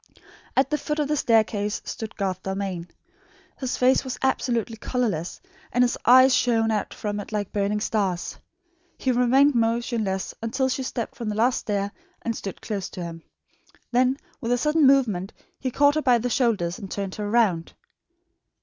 At the foot of the staircase stood Garth Dalmain. His face was absolutely colourless, and his eyes shone out from it like burning stars. He remained motionless until she stepped from the last stair and stood close to him. Then with a sudden movement he caught her by the shoulders and turned her round.